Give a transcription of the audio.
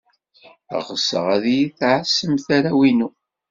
Ɣseɣ ad iyi-tɛassemt arraw-inu.